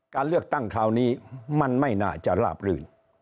การเลือกตั้งคราวนี้มันไม่น่าจะราบรื่น